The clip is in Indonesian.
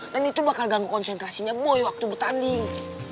dan itu bakal ganggu konsentrasinya boy waktu bertanding